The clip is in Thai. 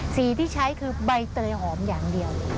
สีที่ใช้คือใบเตยหอมอย่างเดียว